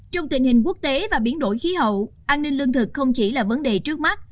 trong tình hình quốc tế và biến đổi khí hậu an ninh lương thực không chỉ là vấn đề trước mắt